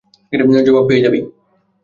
জবাব পেয়ে যাবি।